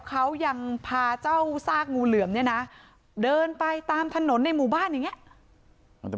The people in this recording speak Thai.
เขายังพาเจ้าซากงูเหลือมเนี่ยนะเดินไปตามถนนในหมู่บ้านอย่างเงี้ย